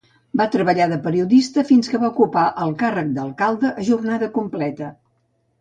Va treballar de periodista fins que va ocupar el càrrec d'alcalde a jornada completa.